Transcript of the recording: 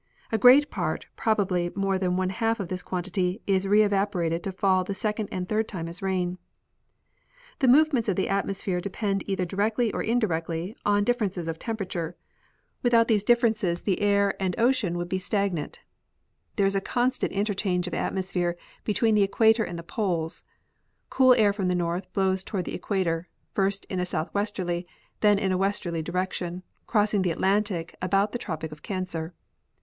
A great part, probably more than one half of this quantity, is reevaporated to fall the second and third time as rain. The movements of the atmosphere depend either directly or indirectly on differences of temperature ; without these differ (112) The Origin of Trade Winds. 113 ences the air and ocean Avould be stagnant. There is a constant interchange of atmosphere between the equator and the poles. Cool air from the north blows toward the equator, first in a southwesterl}^, then in a westerly direction, crossing the Atlantic about the tropic of Cancer.